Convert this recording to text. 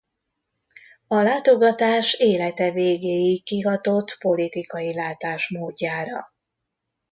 A látogatás élete végéig kihatott politikai látásmódjára.